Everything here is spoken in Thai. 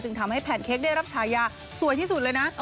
ทำให้แพนเค้กได้รับฉายาสวยที่สุดเลยนะ